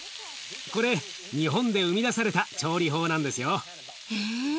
これ日本で生み出された調理法なんですよ。へえ。